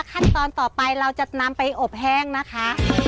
ขั้นตอนต่อไปเราจะนำไปอบแห้งนะคะ